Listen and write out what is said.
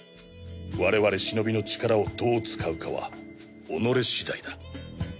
我々シノビの力をどう使うかは己次第だ。